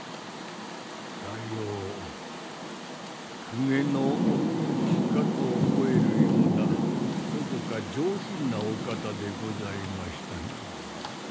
公家のお身内かと思えるようなどこか上品なお方でございましたなあ。